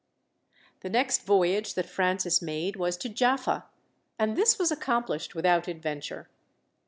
The next voyage that Francis made was to Jaffa, and this was accomplished without adventure.